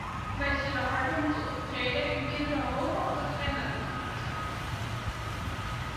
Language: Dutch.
Wij zullen harder moeten optreden en kinderen hoger op de agenda moeten plaatsen.